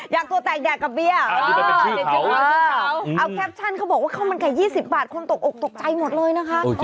อยากตัวแตกอยากกับเบียร์เอาแคปชั่นเขาบอกว่าข้าวมันไก่๒๐บาทคนตกอกตกใจหมดเลยนะคะ